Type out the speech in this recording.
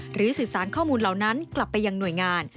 หรือสื่อสารข้อมูลเหล่านั้นกลับไปยังหน่วยงาน